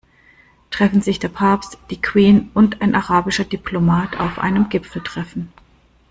Treffen sich der Papst, die Queen und ein arabischer Diplomat auf einem Gipfeltreffen.